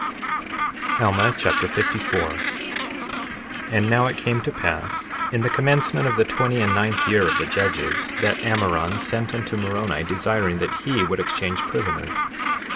Alma Chapter 54 54:1 And now it came to pass in the commencement of the twenty and ninth year of the judges, that Ammoron sent unto Moroni desiring that he would exchange prisoners.